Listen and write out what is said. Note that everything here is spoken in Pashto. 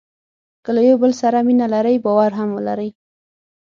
که له یو بل سره مینه لرئ باور هم ولرئ.